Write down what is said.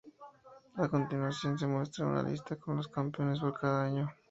A continuación se muestra una lista con los campeones por cada año.